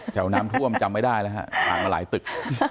น้ำท่วมจำไม่ได้แล้วฮะผ่านมาหลายตึก